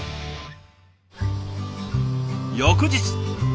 翌日。